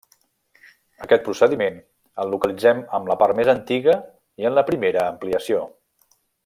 Aquest procediment el localitzem en la part més antiga i en la primera ampliació.